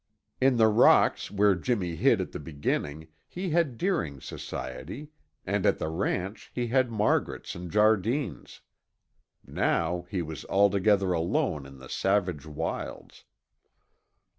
In the rocks where Jimmy hid at the beginning he had Deering's society and at the ranch he had Margaret's and Jardine's. Now he was altogether alone in the savage wilds.